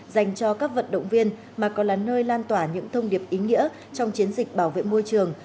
dành cho các vận động viên mà còn là nơi lan tỏa những thông điệp ý nghĩa trong chiến dịch bảo vệ môi trường